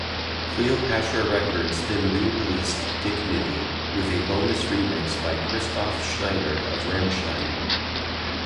Cleopatra Records then re-released "DickNity" with a bonus remix by Christoph Schneider of Rammstein.